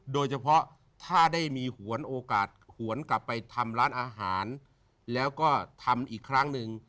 โดยเฉพาะถ้าได้มีหวนโอกาสหวนกลับไปทำร้านอาหารแล้วก็ทำอีกครั้งหนึ่ง